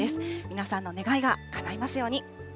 皆さんの願いがかないますように。